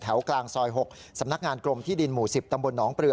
กลางซอย๖สำนักงานกรมที่ดินหมู่๑๐ตำบลหนองเปลือ